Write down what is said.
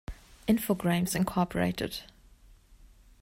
Infogrames, Inc.